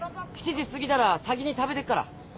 ７時過ぎたら先に食べてっから。